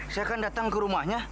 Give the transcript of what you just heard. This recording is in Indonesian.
saya akan datang ke rumahnya